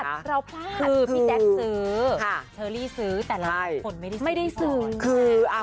แต่เราพลาดพี่แจ๊กซื้อเชอรี่ซื้อแต่เราคนไม่ได้ซื้อก่อน